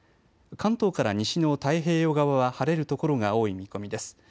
関東から西の太平洋側は晴れる所が多い見込みです。